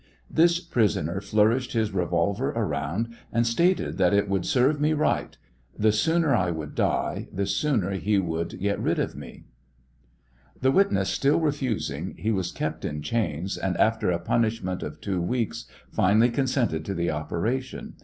"' The prisoner flourished his revolver around and stated that it would serve me right ; the sooner I would die, the sooner he would get rid of me. 776 TKIAL OF HENEY WIEZ. The witness still refusing, he was kept in chains, and after a punishment of two weeks finally consented to the operation.